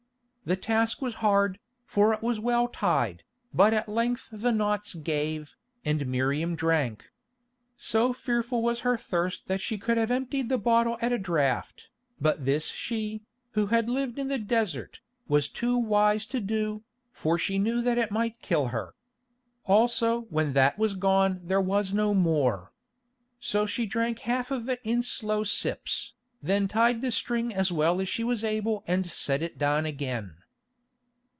The task was hard, for it was well tied, but at length the knots gave, and Miriam drank. So fearful was her thirst that she could have emptied the bottle at a draught, but this she, who had lived in the desert, was too wise to do, for she knew that it might kill her. Also when that was gone there was no more. So she drank half of it in slow sips, then tied the string as well as she was able and set it down again.